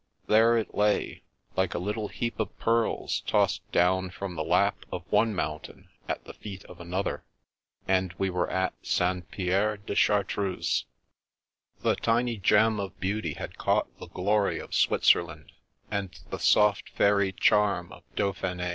There it lay, like a little heap of pearls tossed down from the lap of one mountain at the feet of another — and we were at St. Pierre de Chartreuse. 343 344 '^^^ Princess Passes The tiny gem of beauty had caught the glory of Switzerland, and the soft, fairy charm of Dauphine.